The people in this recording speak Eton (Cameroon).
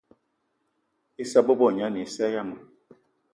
Issa bebo gne ane assa ayi ma.